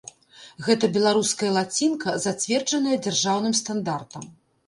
Гэта беларуская лацінка, зацверджаная дзяржаўным стандартам.